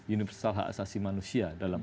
universal hak asasi manusia